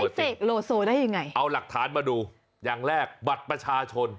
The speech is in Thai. คุณเสกโลโซได้ยังไงเอาหลักฐานมาดูอย่างแรกบัตรประชาชน